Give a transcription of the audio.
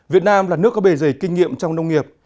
việt nam là nước có bề dày kinh nghiệm trong nông nghiệp